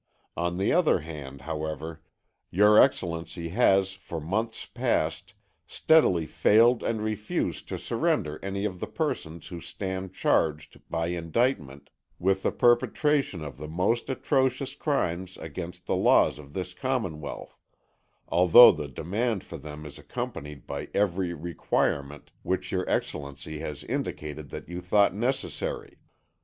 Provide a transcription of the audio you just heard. On the other hand, however, your Excellency has, for months past, steadily failed and refused to surrender any of the persons who stand charged, by indictment, with the perpetration of the most atrocious crimes against the laws of this Commonwealth, although the demand for them is accompanied by every requirement which your Excellency has indicated that you thought necessary.